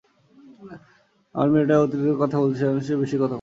আমার মেয়েটা অতি দ্রুত কথা বলছে, সেই যেন বেশি কথা বলছে।